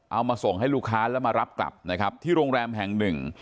เอามาส่งให้ลูกค้าแล้วมารับกลับนะครับที่โรงแรมแห่งหนึ่ง